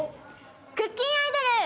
クッキンアイドル！